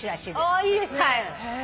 あーいいですね。